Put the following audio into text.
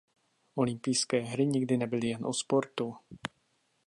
Olympijské hry nikdy nebyly jen o sportu.